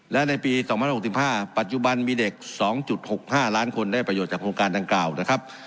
และในปี๒๐๖๕ปัจจุบันมีเด็ก๒๖๕ล้านคนได้ประโยชน์จากโครงการดังกล่าวนะครับ